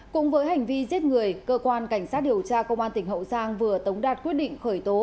cũng với hành vi giết người cơ quan cảnh sát điều tra công an tỉnh hậu giang vừa tống đạt quyết định khởi tố